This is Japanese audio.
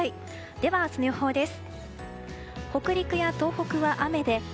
では、明日の予報です。